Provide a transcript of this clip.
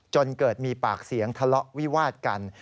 จนเกิดมีปากเสียงทะเลาะวิวาดกัน